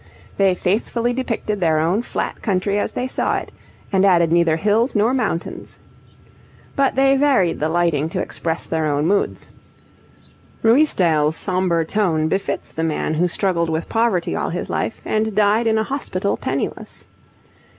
They faithfully depicted their own flat country as they saw it, and added neither hills nor mountains. But they varied the lighting to express their own moods. Ruysdael's sombre tone befits the man who struggled with poverty all his life, and died in a hospital penniless.